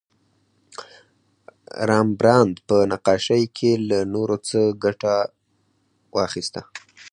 رامبراند په نقاشۍ کې له نور څخه ګټه واخیسته.